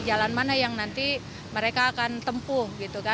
jalan mana yang nanti mereka akan tempuh